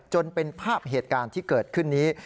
จนเป็นภาพเหตุการณ์ที่เกิดขึ้นนี้